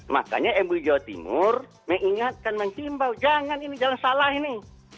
makanya mui jawa timur mengingatkan menghimbau jangan ini jangan salah ini